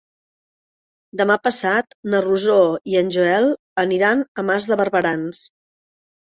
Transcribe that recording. Demà passat na Rosó i en Joel aniran a Mas de Barberans.